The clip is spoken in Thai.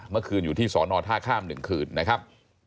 เมื่อคืนอยู่ที่สอนอท่าข้าม๑คืนนะครับ